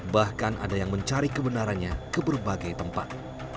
bahkan ada yang mencari kebenarannya ke berbagai tempat